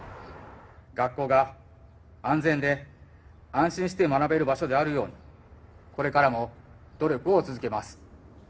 学校が安全で、安心して学べる場所であるように、これからも努力を続けます。